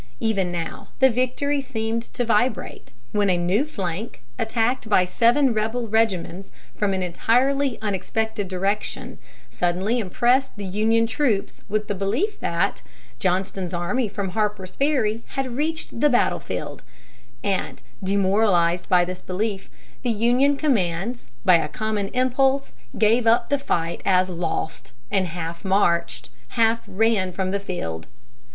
Even now the victory seemed to vibrate, when a new flank attack by seven rebel regiments, from an entirely unexpected direction, suddenly impressed the Union troops with the belief that Johnston's army from Harper's Ferry had reached the battle field; and, demoralized by this belief, the Union commands, by a common impulse, gave up the fight as lost, and half marched, half ran from the field.